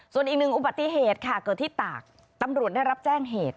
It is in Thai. ส่วนอีกหนึ่งอุบัติเหตุค่ะเกิดที่ตากตำรวจได้รับแจ้งเหตุ